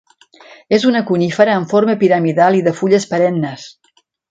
És una conífera amb forma piramidal i de fulles perennes.